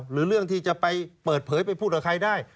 หรือเรื่องที่จะไปเปิดเผยไปพูดกับใครได้